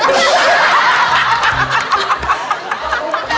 พี่ถ้าไม่กดตลก